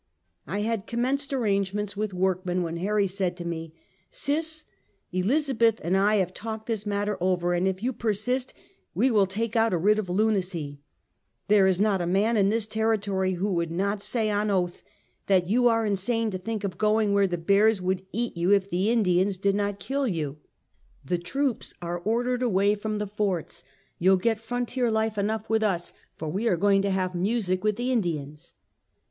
I had commenced arrangements with workmen, when Harry said to me: " Sis, Elizabeth and I have talked this matter over, and if you persist, we will take out a writ of lunacy. There is not a man in this territory who would not say on oath, that you are insane to think of going where the bears would eat you if the Indians did not kill you. The Minnesota Dictatoe. 171 The troops are ordered away from the forts; you'll get frontier life enough with us, for we are going to have music with the Indians."